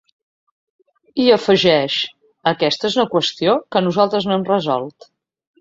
I afegeix: ‘Aquesta és una qüestió que nosaltres no hem resolt’.